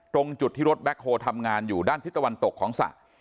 ตรงจุดที่รถแบ็คโฮลทำงานอยู่ด้านทิศตะวันตกของสระ